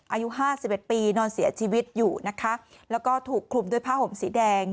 อายุห้าสิบเอ็ดปีนอนเสียชีวิตอยู่นะคะแล้วก็ถูกคลุมด้วยผ้าห่มสีแดง